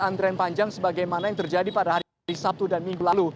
antrean panjang sebagaimana yang terjadi pada hari sabtu dan minggu lalu